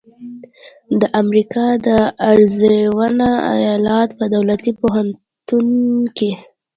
د امریکا د اریزونا ایالت په دولتي پوهنتون کې